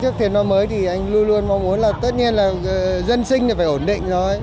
trước thiền năm mới thì anh luôn luôn mong muốn là tất nhiên là dân sinh thì phải ổn định thôi